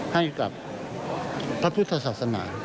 ให้กับพระพุทธศาสนา